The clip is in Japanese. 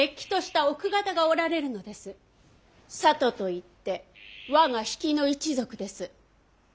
里といって我が比企の一族です。